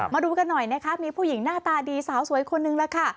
มาดูกันหน่อยนะคะมีผู้หญิงหน้าตาดีสาวสวยคนนึงล่ะค่ะ